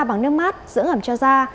bằng nước mát dưỡng ẩm cho da